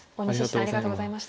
ありがとうございます。